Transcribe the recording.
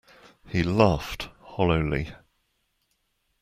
He laughed hollowly.